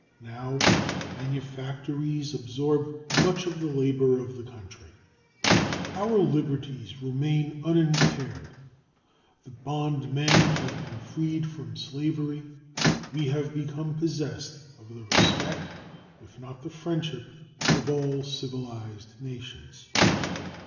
Now manufactories absorb much of the labor of the country. Our liberties remain unimpaired; the bondmen have been freed from slavery; we have become possessed of the respect, if not the friendship, of all civilized nations.